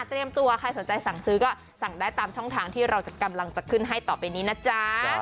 ตัวใครสนใจสั่งซื้อก็สั่งได้ตามช่องทางที่เรากำลังจะขึ้นให้ต่อไปนี้นะจ๊ะ